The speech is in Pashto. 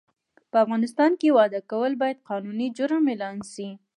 په افغانستان کې واده کول باید قانوني جرم اعلان سي